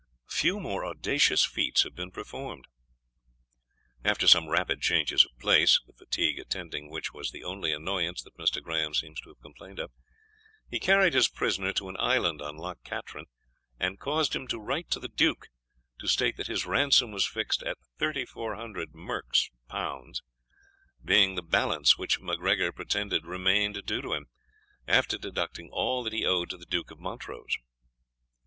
Few more audacious feats have been performed. After some rapid changes of place (the fatigue attending which was the only annoyance that Mr. Graham seems to have complained of), he carried his prisoner to an island on Loch Katrine, and caused him to write to the Duke, to state that his ransom was fixed at L3400 merks, being the balance which MacGregor pretended remained due to him, after deducting all that he owed to the Duke of Montrose.